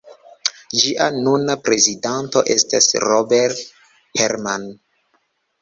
Ĝia nuna prezidanto estas Robert Herrmann.